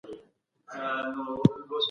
په ادارو کي باید د واسطې کلتور پای ته ورسیږي.